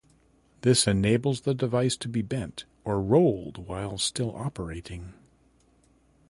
This enables the device to be bent or rolled while still operating.